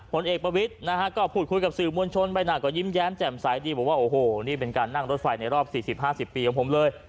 ผลเอกประวิทย์นะฮะก็พูดคุยกับสื่อมวลชนใบหน้าก็ยิ้มแย้มแจ่มใสดีบอกว่าโอ้โหนี่เป็นการนั่งรถไฟในรอบ๔๐๕๐ปีของผมเลย